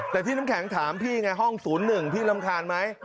แต่ที่น้ำแข็งถามพี่ไงห้อง๐๑พี่รำคาญไหม